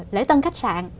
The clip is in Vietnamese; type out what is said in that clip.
lễ tân khách sạn